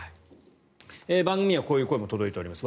番組にはこういう声も届いています。